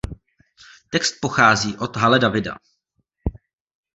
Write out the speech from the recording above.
Text pochází od Hale Davida.